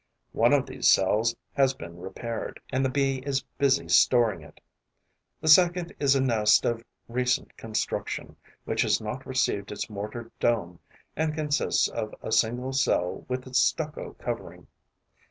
One of these cells has been repaired; and the Bee is busy storing it. The second is a nest of recent construction, which has not received its mortar dome and consists of a single cell with its stucco covering.